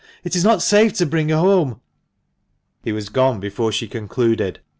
It is not safe to bring her home." He was gone before she concluded.